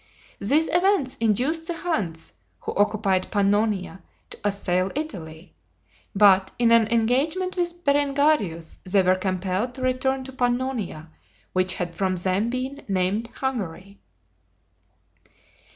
These events induced the Huns, who occupied Pannonia, to assail Italy; but, in an engagement with Berengarius, they were compelled to return to Pannonia, which had from them been named Hungary.